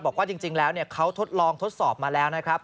บอกว่าจริงแล้วเขาทดลองทดสอบมาแล้วนะครับ